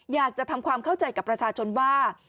อยากจะทำความเข้าใจกับประชาชนว่า